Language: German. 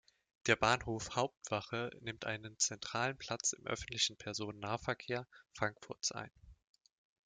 Der Bahnhof Hauptwache nimmt einen zentralen Platz im öffentlichen Personennahverkehr Frankfurts ein.